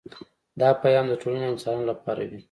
دا پیام د ټولنې او انسانانو لپاره وي